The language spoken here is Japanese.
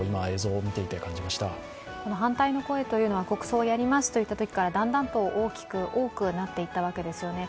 でも反対の声というのは、国葬をやりますと言ったときからだんだんと大きく、多くなっていったわけですよね。